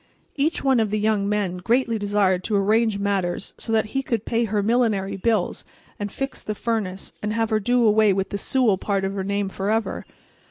Each one of the young men greatly desired to arrange matters so that he could pay her millinery bills, and fix the furnace, and have her do away with the "Sewell" part of her name forever.